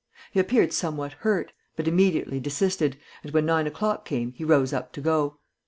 He appeared somewhat hurt, but immediately desisted, and when nine o'clock came he rose up to go.